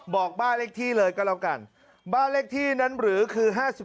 บอกบ้านเลขที่เลยก็แล้วกันบ้านเลขที่นั้นหรือคือ๕๗